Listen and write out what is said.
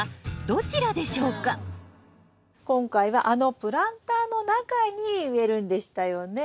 今回はあのプランターの中に植えるんでしたよね？